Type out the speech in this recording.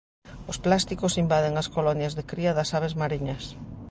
Os plásticos invaden as colonias de cría das aves mariñas.